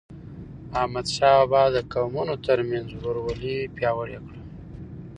احمدشاه بابا د قومونو ترمنځ ورورولي پیاوړی کړه.